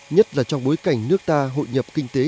nhất là trong bối cảnh nước ta hội nhập kinh tế